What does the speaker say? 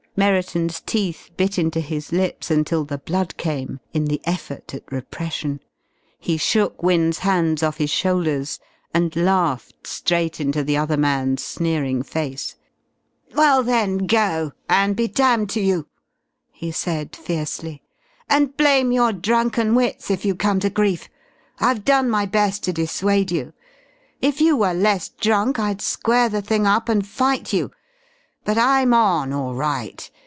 Merriton's teeth bit into his lips until the blood came in the effort at repression. He shook Wynne's hands off his shoulders and laughed straight into the other man's sneering face. "Well then go and be damned to you!" he said fiercely. "And blame your drunken wits if you come to grief. I've done my best to dissuade you. If you were less drunk I'd square the thing up and fight you. But I'm on, all right.